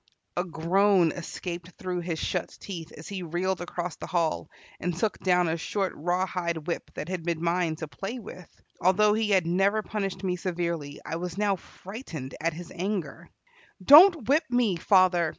A groan escaped through his shut teeth as he reeled across the hall and took down a short rawhide whip that had been mine to play with. Although he had never punished me severely, I was now frightened at his anger. "Don't whip me, father!"